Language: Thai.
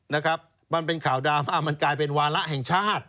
นะครับมันเป็นข่าวดราม่ามันกลายเป็นวาระแห่งชาติ